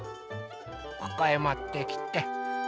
ここへもってきて。